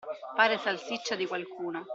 Fare salsiccia di qualcuno.